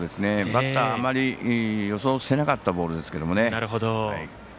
バッターあまり予想していなかったボールですけどね。